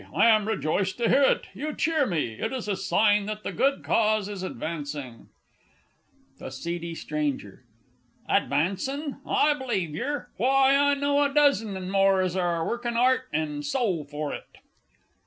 I am rejoiced to hear it. You cheer me; it is a sign that the good Cause is advancing. THE S. S. Advancin'? I believe yer. Why, I know a dozen and more as are workin' 'art and soul for it!